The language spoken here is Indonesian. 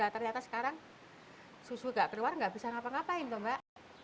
ternyata sekarang susu gak keluar nggak bisa ngapa ngapain tuh mbak